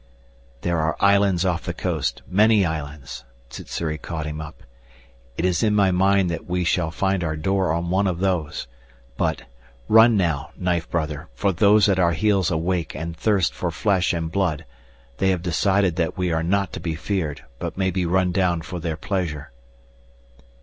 "There are islands off the coast many islands " Sssuri caught him up. "It is in my mind that we shall find our door on one of those. But run now, knife brother, for those at our heels awake and thirst for flesh and blood. They have decided that we are not to be feared but may be run down for their pleasure."